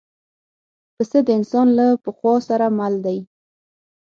پسه د انسان له پخوا سره مل دی.